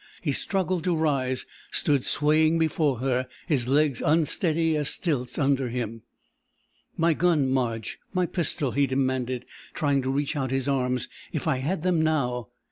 He struggled to rise; stood swaying before her, his legs unsteady as stilts under him. "My gun, Marge my pistol!" he demanded, trying to reach out his arms. "If I had them now...."